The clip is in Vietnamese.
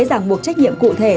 giảng buộc trách nhiệm cụ thể